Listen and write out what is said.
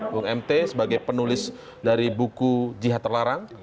bung mt sebagai penulis dari buku jihad terlarang